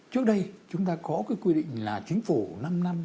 trước đây chúng ta có cái quy định là chính phủ năm năm